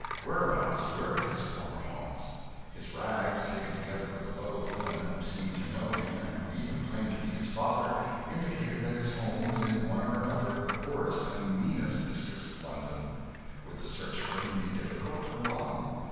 Whereabouts were his former haunts? His rags, taken together with the low villain who seemed to know him and who even claimed to be his father, indicated that his home was in one or another of the poorest and meanest districts of London. Would the search for him be difficult, or long?